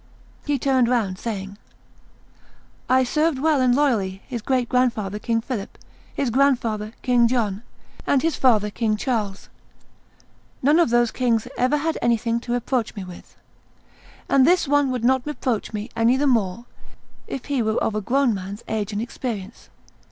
He turned round, saying, "I served well and loyally his great grandfather King Philip, his grandfather King John, and his father King Charles; none of those kings ever had anything to reproach me with, and this one would not reproach me any the more if he were of a grown man's age and experience.